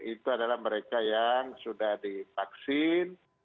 itu adalah mereka yang sudah divaksin